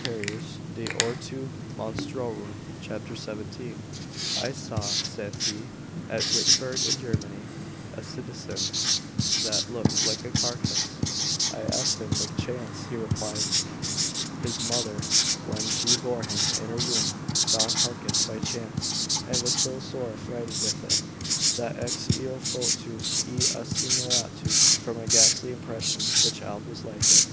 de ortu monstrorum, c. 17, I saw (saith he) at Wittenberg, in Germany, a citizen that looked like a carcass; I asked him the cause, he replied, His mother, when she bore him in her womb, saw a carcass by chance, and was so sore affrighted with it, that ex eo foetus ei assimilatus, from a ghastly impression the child was like it.